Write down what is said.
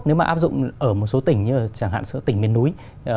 nếu mà áp dụng ở một số tỉnh như là chẳng hạn số tỉnh miền núi